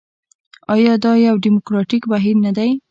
آیا دا یو ډیموکراټیک بهیر نه دی؟